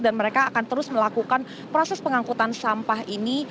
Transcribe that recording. dan mereka akan terus melakukan proses pengangkutan sampah ini